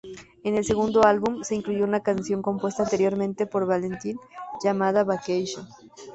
En el segundo álbum se incluyó una canción compuesta anteriormente por Valentine, llamada "Vacation".